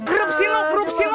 gerup sih lo gerup sih lo